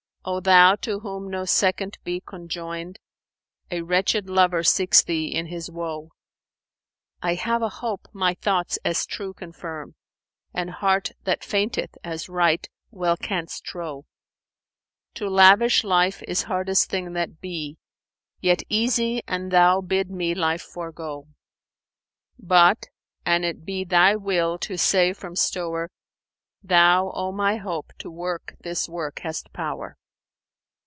O Thou to whom no second be conjoined! * A wretched lover seeks Thee in his woe. I have a hope my thoughts as true confirm; * And heart that fainteth as right well canst trow. To lavish life is hardest thing that be, * Yet easy an Thou bid me life forego; But, an it be Thy will to save from stowre, * Thou, O my Hope, to work this work hast power!'"